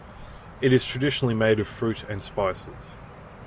It is traditionally made of fruit and spices.